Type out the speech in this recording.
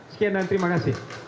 sekian dan terima kasih